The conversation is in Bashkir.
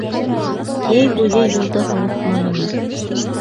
Йәй буйы юлды һыуытманылар.